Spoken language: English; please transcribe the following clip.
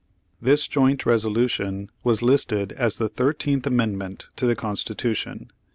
This joint resolution was listed as the Thirteen amendment to the Constitution.